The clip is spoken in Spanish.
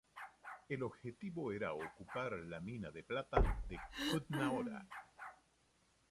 El objetivo era ocupar la mina de plata de "Kutna-Hora".